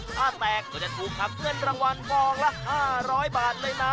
ถ้าแตกแล้วจะถูกคับเพื่อนรางวัลพลองละ๕๐๐บาทเลยนะ